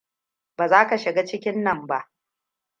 Ba za ka shiga cikin nan ba.